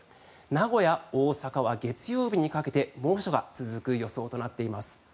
名古屋、大阪は月曜日にかけて猛暑が続く予想となっています。